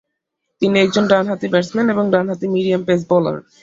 তিনি একজন ডানহাতি ব্যাটসম্যান এবং ডানহাতি মিডিয়াম পেস বোলার।